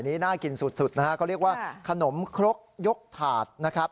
น่ากินสุดนะฮะเขาเรียกว่าขนมครกยกถาดนะครับ